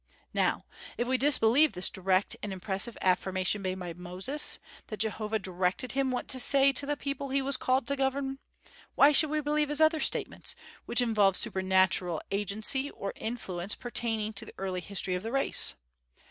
Now, if we disbelieve this direct and impressive affirmation made by Moses, that Jehovah directed him what to say to the people he was called to govern, why should we believe his other statements, which involve supernatural agency or influence pertaining to the early history of the race?